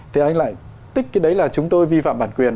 thì anh lại tích cái đấy là chúng tôi vi phạm bản quyền